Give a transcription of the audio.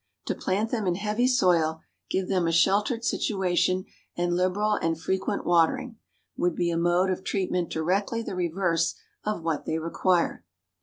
To plant them in heavy soil, give them a sheltered situation and liberal and frequent watering, would be a mode of treatment directly the reverse of what they require.